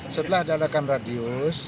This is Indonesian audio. setelah diadakan radius